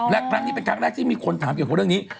และครั้งนี้เป็นครั้งแรกที่มีคนถามเกี่ยวกับเรื่องนี้